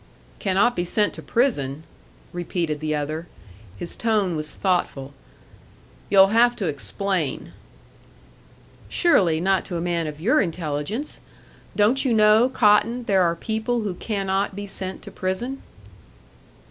"Cannot be sent to prison?" repeated the other. His tone was thoughtful. "You'll have to explain." "Surely not to a man of your intelligence! Don't you know, Cotton, there are people who cannot be sent to prison?"